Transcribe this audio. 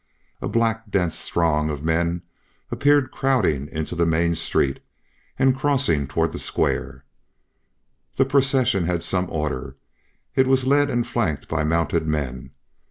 A black dense throng of men appeared crowding into the main street, and crossing toward the square. The procession had some order; it was led and flanked by mounted men.